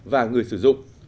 và người sử dụng